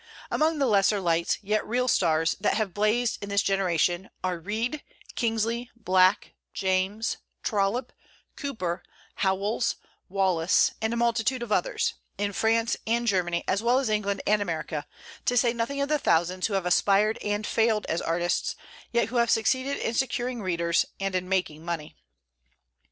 Among the lesser lights, yet real stars, that have blazed in this generation are Reade, Kingsley, Black, James, Trollope, Cooper, Howells, Wallace, and a multitude of others, in France and Germany as well as England and America, to say nothing of the thousands who have aspired and failed as artists, yet who have succeeded in securing readers and in making money.